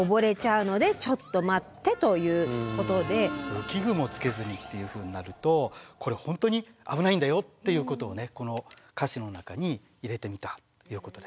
うき具もつけずにっていうふうになると「これ本当に危ないんだよ」っていうことをこの歌詞の中に入れてみたということです。